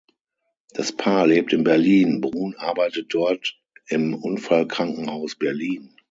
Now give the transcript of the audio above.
Das Paar lebt in Berlin, Bruhn arbeitet dort im Unfallkrankenhaus Berlin.